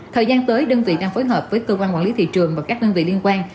thời gian tới đơn vị đang phối hợp với cơ quan quản lý thị trường và các đơn vị liên quan